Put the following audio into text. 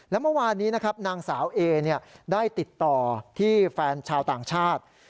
และเมื่อวานนี้นะครับนางสาวเอได้ติดต่อที่แฟนชาวต่างชาติ